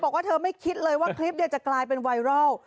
บอกว่าเธอไม่คิดเลยว่าคลิปจะกลายเป็นไวรัล